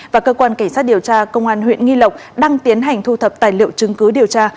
và cơ quan cảnh sát điều tra công an huyện nghi lộc đang tiến hành thu thập tài liệu chứng cứ điều tra